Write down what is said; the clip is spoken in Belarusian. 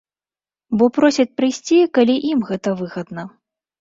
Бо просяць прыйсці, калі ім гэта выгадна.